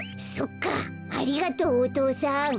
そっかありがとうお父さん。